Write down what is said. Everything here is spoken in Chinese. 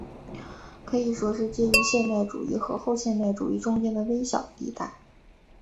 可以说是介于现代主义和后现代主义中间的微小地带。